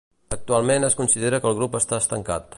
Actualment es considera que el grup està estancat.